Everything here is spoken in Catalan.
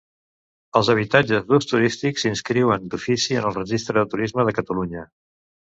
Els habitatges d'ús turístic s'inscriuen d'ofici en el registre de Turisme de Catalunya.